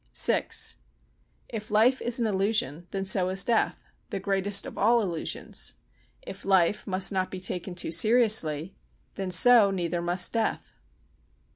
vi If life is an illusion, then so is death—the greatest of all illusions. If life must not be taken too seriously—then so neither must death.